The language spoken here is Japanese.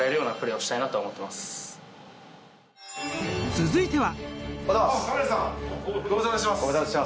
続いては。